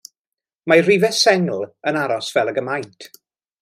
Mae rhifau sengl yn aros fel ag y maent.